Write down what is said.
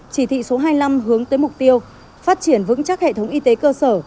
chỉ thị số hai mươi năm hướng tới mục tiêu phát triển vững chắc hệ thống y tế cơ sở